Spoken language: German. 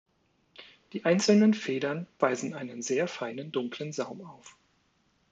Die einzelnen Federn weisen einen sehr feinen dunklen Saum auf.